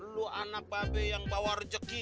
lo anak babe yang bawa rezeki